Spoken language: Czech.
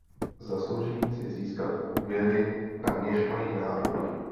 Zaslouží si získat úvěry, na něž mají nárok.